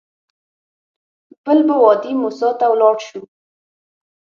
بل به وادي موسی ته لاړ شو.